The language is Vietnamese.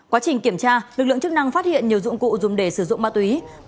quá trình kiểm tra lực lượng chức năng phát hiện nhiều dụng cụ dùng để sử dụng ma túy